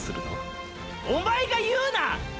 おまえが言うな！